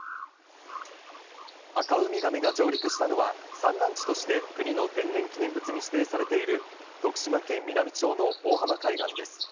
アカウミガメが上陸したのは、産卵地として国の天然記念物に指定されている徳島県美波町の大浜海岸です。